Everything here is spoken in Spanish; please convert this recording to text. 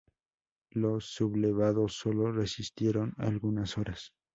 Los sublevados sólo resistieron algunas horas.